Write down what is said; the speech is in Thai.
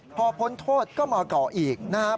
พอพ้นโทษก็มาก่ออีกนะครับ